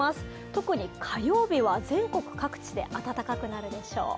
特に火曜日は全国各地で暖かくなるでしょう。